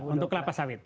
untuk kelapa sawit